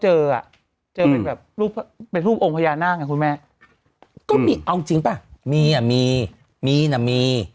เจออ่ะเจอเป็นแบบรูปเป็นรูปองค์พญานาคไงคุณแม่ก็มีเอาจริงป่ะมีอ่ะมีมีน่ะมี